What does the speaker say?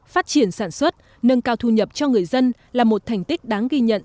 phát triển sản xuất nâng cao thu nhập cho người dân là một thành tích đáng ghi nhận